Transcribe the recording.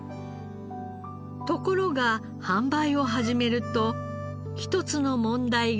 ところが販売を始めると１つの問題が浮き彫りに。